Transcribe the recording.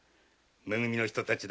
め組の人たちだ。